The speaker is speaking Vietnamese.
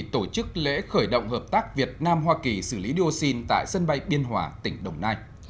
tổ chức lễ khởi động hợp tác việt nam hoa kỳ xử lý dioxin tại sân bay biên hòa tỉnh đồng nai